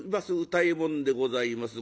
歌右衛門でございます。